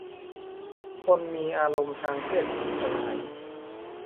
คนมีอารมณ์ทางเพศผิดตรงไหน